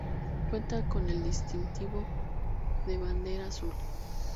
Cuenta con el distintivo de Bandera Azul.